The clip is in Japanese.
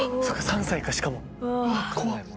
３歳かしかも怖っ！